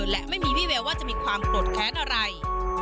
และไม่มีวี่แววว่าจะมีความโกรธแค้นอะไร